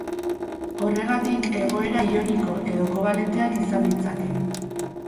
Horregatik, egoera ioniko edo kobalenteak izan ditzake.